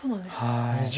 はい。